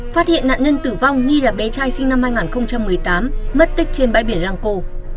phát hiện nạn nhân tử vong nghi là bé trai sinh năm hai nghìn một mươi tám mất tích trên bãi biển lăng cô